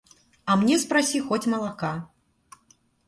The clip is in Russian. А мне спроси хоть молока.